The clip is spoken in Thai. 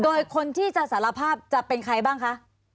โดยคนที่จะสารภาพจะเป็นใครบ้างคะ